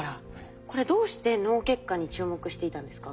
これどうして脳血管に注目していたんですか？